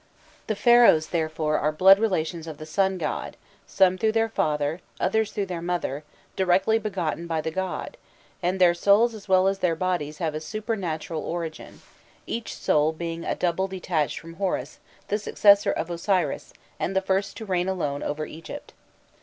The Pharaohs, therefore, are blood relations of the Sun god, some through their father, others through their mother, directly begotten by the God, and their souls as well as their bodies have a supernatural origin; each soul being a double detached from Horus, the successor of Osiris, and the first to reign alone over Egypt.